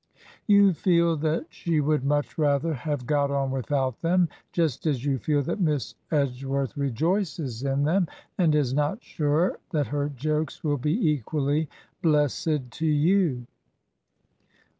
You feel that she would much rather have got on without them; just as you feel that Miss Edge worth rejoices in them, and is not sure that her jokes will be equally blessed to you.